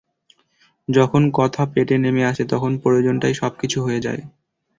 যখন কথা পেটে নেমে আসে তখন প্রয়োজন টাই সবকিছু হয়ে যায়।